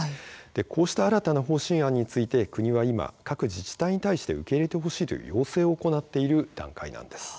こうした新たな方針について国は今、各自治体に対して受け入れてほしいという要請を行っている段階です。